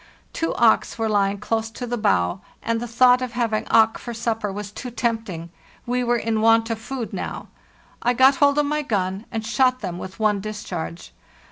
Two auks were lying close to the bow, and the thought of having auk for supper was too tempting; we were in want of food now. 1 got hold of my gun and shot them with one discharge.